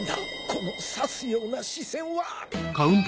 この刺すような視線は